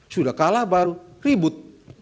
sudah kalah baru ribut